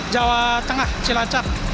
jawa tengah cilacap